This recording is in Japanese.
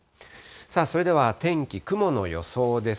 それでは天気、雲の予想です。